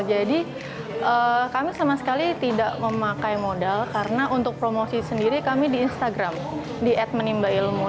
jadi kami sama sekali tidak memakai modal karena untuk promosi sendiri kami di instagram di at menimba ilmu